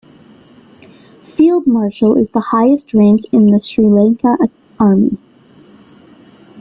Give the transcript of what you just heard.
Field Marshal is the highest rank in the Sri Lanka Army.